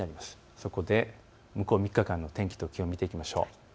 そこで向こう３日間の天気と気温、見ていきましょう。